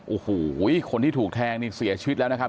โอ้โหคนที่ถูกแทงนี่เสียชีวิตแล้วนะครับ